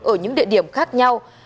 ở những địa điểm khác nhau